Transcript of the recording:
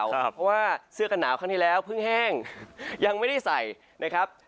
เพราะว่าเสื้อกันหนาวครั้งที่แล้วเพิ่งแห้งยังไม่ได้ใส่นะครับ